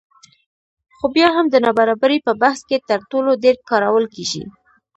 خو بیا هم د نابرابرۍ په بحث کې تر ټولو ډېر کارول کېږي